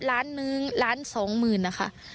ล้านนึงล้านสองหมื่นนะคะ